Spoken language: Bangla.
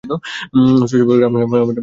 শচীশ বলিল, আমার কাজ আছে।